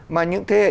mà những thế hệ